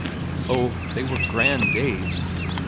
Oh, they were grand days!